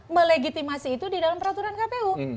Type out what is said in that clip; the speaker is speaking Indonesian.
melegitimasi itu di dalam peraturan kpu